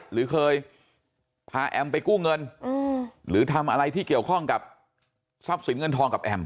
หรือเคยพาแอมไปกู้เงินหรือทำอะไรที่เกี่ยวข้องกับทรัพย์สินเงินทองกับแอม